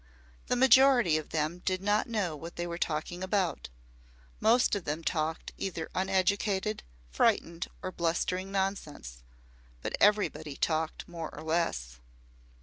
The majority of them did not know what they were talking about; most of them talked either uneducated, frightened or blustering nonsense, but everybody talked more or less.